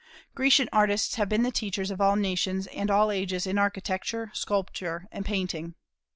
Grecian artists have been the teachers of all nations and all ages in architecture, sculpture, and painting.